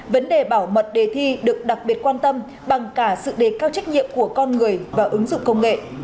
vấn đề bảo mật đề thi được đặc biệt quan tâm bằng cả sự đề cao trách nhiệm của con người và ứng dụng công nghệ